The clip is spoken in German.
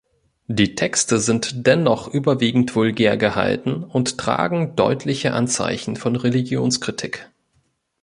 Die Texte sind dennoch überwiegend vulgär gehalten und tragen deutliche Anzeichen von Religionskritik.